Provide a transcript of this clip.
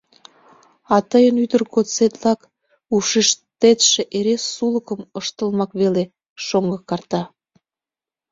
А тыйын ӱдыр годсетлак ушыштетше эре сулыкым ыштылмак веле, шоҥго карта.